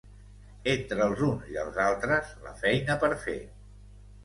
Entre els uns i els altres, la feina per fer.